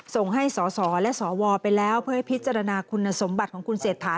ส่งให้สสและสวไปแล้วเพื่อให้พิจารณาคุณสมบัติของคุณเศรษฐา